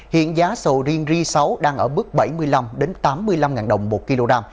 hiện giá sầu riêng ri sáu đang ở bước bảy mươi năm tám mươi năm ngàn đồng một kg